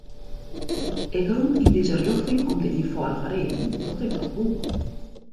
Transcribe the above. Ik rûn yn dizze rjochting om de ienfâldige reden dat ik dat woe.